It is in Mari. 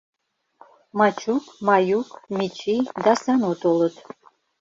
Мачук, Маюк, Мичи да Сану толыт.